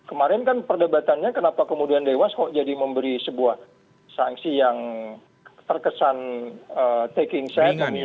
jadi kemarin kan perdebatannya kenapa kemudian dewas kok jadi memberi sebuah sanksi yang terkesan taking side